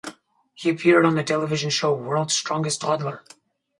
He appeared on the television show, "World's Strongest Toddler".